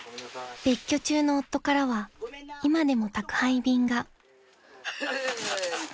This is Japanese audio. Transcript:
［別居中の夫からは今でも宅配便が］